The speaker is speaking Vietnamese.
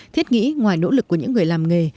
thiết nghĩ ngoài nỗ lực của những người làm nghề